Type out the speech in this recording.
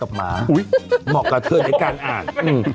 โอ้ยหมอกกับเธอในการอ่าน